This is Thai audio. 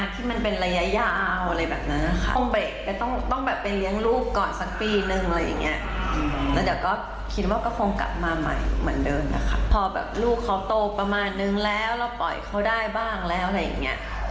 แล้วเดี๋ยวก็คิดว่าก็คงกลับมาใหม่เหมือนเดิมนะคะพอแบบลูกเขาโตประมาณนึงแล้วเราปล่อยเขาได้บ้างแล้วอะไรอย่างเงี้ย